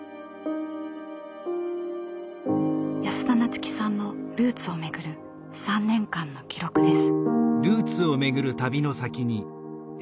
安田菜津紀さんのルーツをめぐる３年間の記録です。